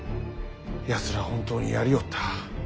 やつら本当にやりおった。